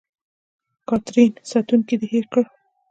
کاترین: ساتونکی دې هېر کړ.